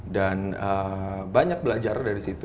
dan banyak belajar dari situ